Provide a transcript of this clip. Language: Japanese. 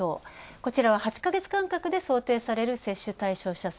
こちらは８か月間隔で想定される接種対象者数。